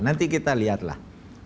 nanti kita lihatlah